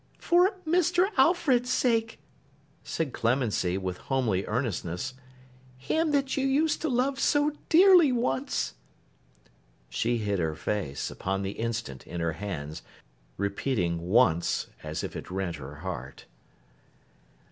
'For Mr. Alfred's sake,' said Clemency, with homely earnestness. 'Him that you used to love so dearly, once!' She hid her face, upon the instant, in her hands, repeating 'Once!' as if it rent her heart.